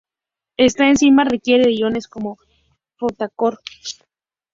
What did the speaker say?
Esta enzima requiere de iones como cofactor.